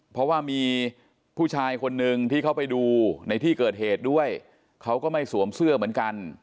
เพราะว่ามีผู้ชายคนหนึ่งที่เขาไปดูในที่เกิดเหตุด้วยเขาก็ไม่สวมเสื้อเหมือนกัน